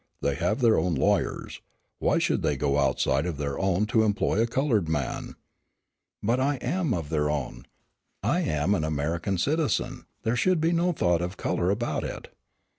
They have their own lawyers; why should they go outside of their own to employ a colored man?" "But I am of their own. I am an American citizen, there should be no thought of color about it."